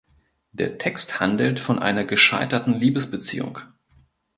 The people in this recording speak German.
Der Text handelt von einer gescheiterten Liebesbeziehung.